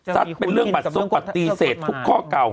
บัตรที่เศษทุกข้อเก่า